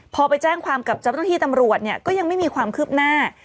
พอไปแจ้งความกับเจ้าหน้าที่ตำรวจเนี่ยก็ยังไม่มีความคืบหน้า